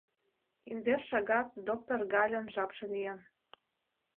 Индеш шагат доктор Гальын жапше лийын.